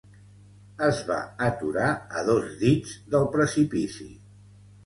Es va aturar a dos dits del precipici.